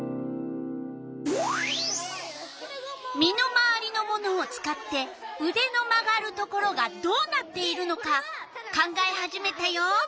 身の回りのものを使ってうでの曲がるところがどうなっているのか考え始めたよ。